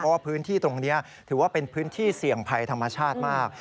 เพราะว่าพื้นที่ตรงนี้ถือว่าเป็นพื้นที่เสี่ยงภัยธรรมชาติมาก